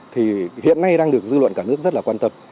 thì hiện nay đang được dư luận cả nước rất là quan tâm